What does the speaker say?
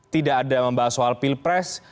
tidak ada membahas soal pilpres